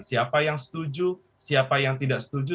siapa yang setuju siapa yang tidak setuju